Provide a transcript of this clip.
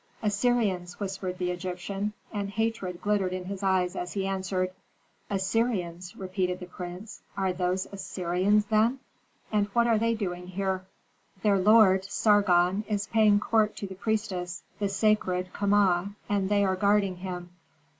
"Assyrians," whispered the Egyptian; and hatred glittered in his eyes as he answered. "Assyrians," repeated the prince. "Are those Assyrians, then? And what are they doing here?" "Their lord, Sargon, is paying court to the priestess, the sacred Kama, and they are guarding him.